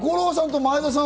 前田さんは？